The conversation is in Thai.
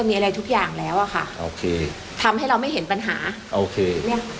มีอะไรทุกอย่างแล้วค่ะเอาไงทำให้เราไม่เห็นปัญหาเอาไง